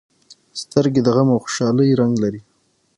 سترګې د غم او خوشالۍ رنګ لري